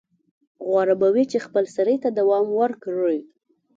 غوره به وي چې خپلسرۍ ته دوام ورکړي.